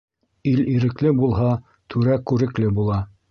Ил ирекле булһа, түрә күрекле була.